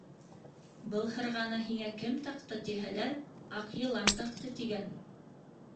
Был һырғаны һиңә кем таҡты тиһәләр, Аҡ йылан таҡты тиген.